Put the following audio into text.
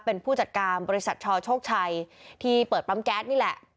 เป็นผู้จัดการบริษัทชโชคชัยที่เปิดปั๊มแก๊สนี่แหละ